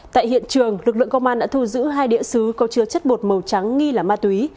tại hiện trường lực lượng công an đã thu giữ hai đĩa xứ có chứa chất bột màu trắng nghi là ma túy